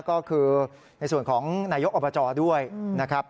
ก็คือในส่วนของนายกอบจด้วยนะครับ